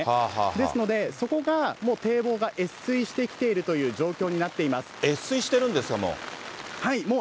ですので、そこがもう堤防が越水してきているという情報になって越水してるんですか、もう。